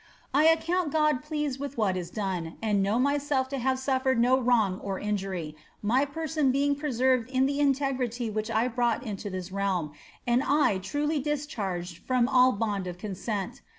I account God pleased with what is done, and know myself to have sofiered no wrong or injury, my person being preserved in the integrity which I broo^t into this realm, and I truly discharged from all bond of consent.